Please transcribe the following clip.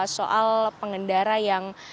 soal pengendara yang